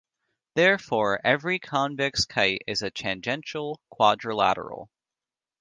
Therefore, every convex kite is a tangential quadrilateral.